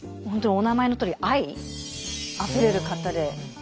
本当にお名前のとおり愛あふれる方で。